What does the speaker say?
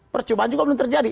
percobaan juga belum terjadi